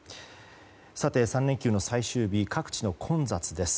さて、３連休の最終日各地の混雑です。